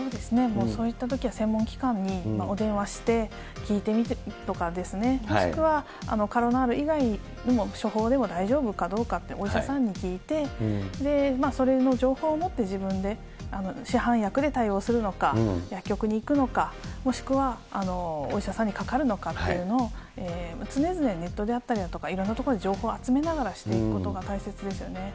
もう、そういったときは専門機関にお電話して、聞いてみてとかですね、もしくはカロナール以外の処方でも大丈夫かどうかってお医者さんに聞いて、それの情報をもって、自分で市販薬で対応するのか、薬局に行くのか、もしくはお医者さんにかかるのかっていうのを、常々ネットであったりとか、いろんな所で情報を集めながら、していくことが大切ですよね。